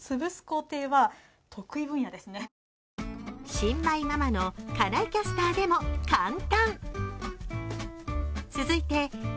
新米ママの、金井キャスターでも簡単。